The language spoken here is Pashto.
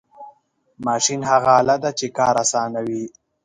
ماشین هغه آله ده چې کار آسانوي.